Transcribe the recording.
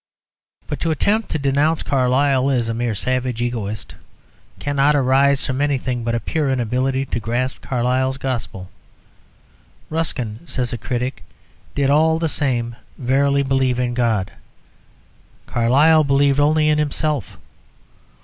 But to attempt to denounce Carlyle as a mere savage egotist cannot arise from anything but a pure inability to grasp Carlyle's gospel. "Ruskin," says a critic, "did, all the same, verily believe in God; Carlyle believed only in himself."